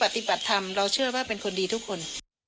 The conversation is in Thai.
ปฏิบัติธรรมเราเชื่อว่าเป็นคนดีทุกคน